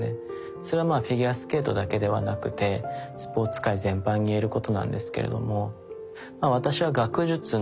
それはフィギュアスケートだけではなくてスポーツ界全般に言えることなんですけれども。